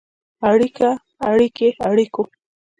اړیکه ، اړیکې، اړیکو.